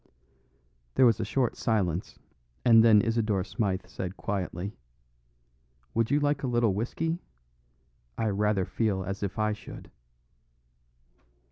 There was a short silence, and then Isidore Smythe said quietly, "Would you like a little whiskey? I rather feel as if I should."